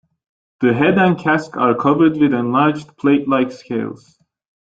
The head and casque are covered with enlarged, plate-like scales.